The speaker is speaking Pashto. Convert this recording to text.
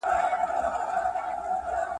• خراپه ښځه د بل ده.